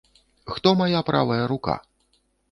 Хто мая правая рука?